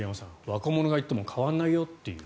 若者が行っても変わらないよっていう。